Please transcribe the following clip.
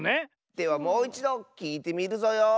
ではもういちどきいてみるぞよ。